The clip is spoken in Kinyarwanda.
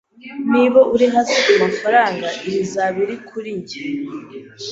Niba uri hasi kumafaranga, iyi izaba iri kuri njye